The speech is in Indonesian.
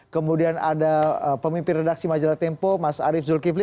kemudian ada pemimpin redaksi majalah tempo mas arief zulkifli